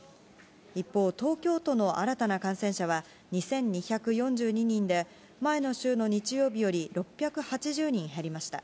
一方、東京都の新たな感染者は２２４２人で、前の週の日曜日より６８０人減りました。